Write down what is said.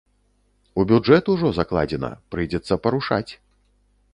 У бюджэт ужо закладзена, прыйдзецца парушаць.